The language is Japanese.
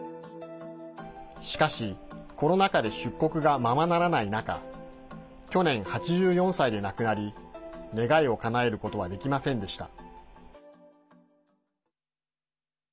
しかしコロナ禍で出国がままならない中去年８４歳で亡くなり願いをかなえることはできませんでした。